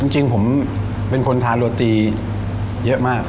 จริงผมเป็นคนทานโรตีเยอะมาก